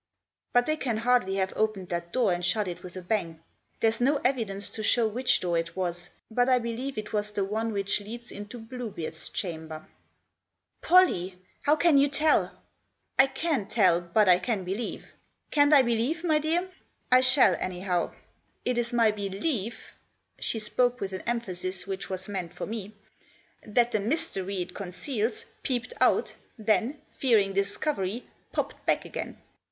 " But they can hardly have opened that door and shut it with a bang. There's no evidence to show which door it was, but I believe it was one which leads into Bluebeard's chamber." " Pollie ! How can you tell ?"" I can't tell, but I can believe. Can't I believe, my dear ? I shall, anyhow. It is my belief "— she spoke with an emphasis which was meant for me —" that the mystery it conceals peeped out, then, fear ing discovery, popped back again.